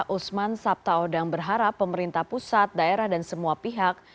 usman sabtaodang berharap pemerintah pusat daerah dan semua pihak